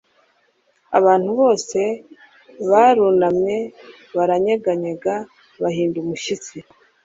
abantu bose barunamye, baranyeganyega, bahinda umushyitsi